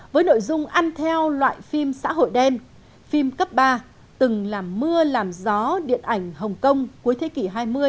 với nội dung ăn theo loại phim xã hội đen phim cấp ba từng là mưa làm gió điện ảnh hồng kông cuối thế kỷ hai mươi